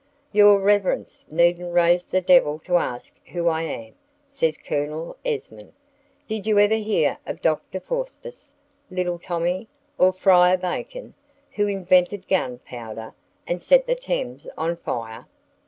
"Your reverence needn't raise the devil to ask who I am," says Colonel Esmond. "Did you ever hear of Doctor Faustus, little Tommy? or Friar Bacon, who invented gunpowder, and set the Thames on fire?"